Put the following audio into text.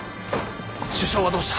首相はどうした？